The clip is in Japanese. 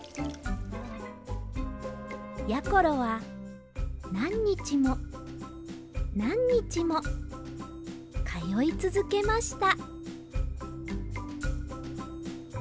やころはなんにちもなんにちもかよいつづけました